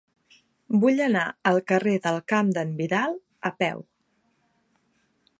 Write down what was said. Vull anar al carrer del Camp d'en Vidal a peu.